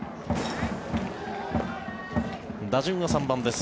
打順は３番です。